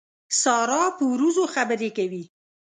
سارا په وروځو خبرې کوي.